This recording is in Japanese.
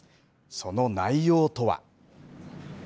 その内容とは。